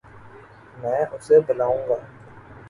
میں اسے بلاوں گا